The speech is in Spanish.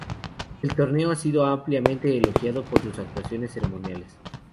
El torneo ha sido ampliamente elogiado por sus actuaciones ceremoniales.